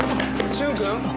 駿君？